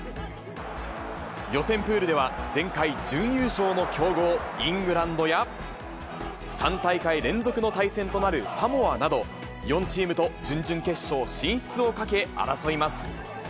予選プールでは、前回準優勝の強豪、イングランドや、３大会連続の対戦となるサモアなど、４チームと準々決勝進出をかけ、争います。